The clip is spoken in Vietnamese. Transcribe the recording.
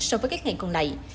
so với các ngày còn lại